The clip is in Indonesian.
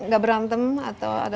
gak berantem atau ada